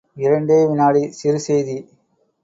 இரண்டே விநாடி சிறு செய்தி.